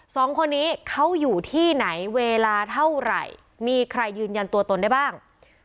สองคนนี้เขาอยู่ที่ไหนเวลาเท่าไหร่มีใครยืนยันตัวตนได้บ้าง